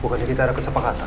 bukannya kita ada kesepakatan